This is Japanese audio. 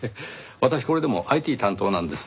私これでもＩＴ担当なんです。